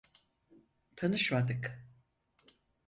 Tanışmadık.